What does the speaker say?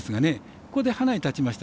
ここでハナに立ちました。